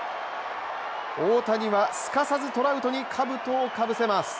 大谷はすかさずトラウトにかぶとをかぶせます。